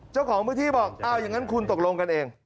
เจ้าของพื้นที่บอกอ้าวอย่างนั้นคุณตกลงกันเอง